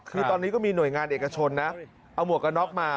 คือตอนนี้ก็มีหน่วยงานเอกชนนะเอาหมวกกันน็อกมา